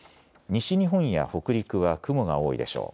西日本や北陸は雲が多いでしょう。